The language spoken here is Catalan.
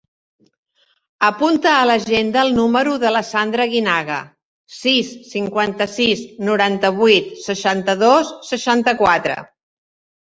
Apunta a l'agenda el número de la Sandra Aguinaga: sis, cinquanta-sis, noranta-vuit, seixanta-dos, seixanta-quatre.